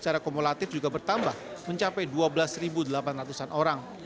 secara kumulatif juga bertambah mencapai dua belas delapan ratus an orang